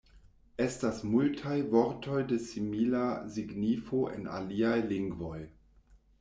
Estas multaj vortoj de simila signifo en aliaj lingvoj.